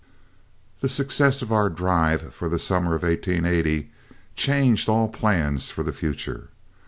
The success of our drive for the summer of 1880 changed all plans for the future.